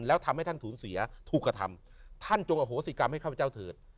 แล้วทำให้ท่านสูญเสียถูกกระทำท่านจงอโหสิกรรมให้ข้าพเจ้าเถิด